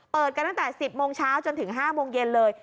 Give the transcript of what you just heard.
เปิดกันตั้งแต่๑๐โมงเช้าจนถึง๕โมงเย็นเลย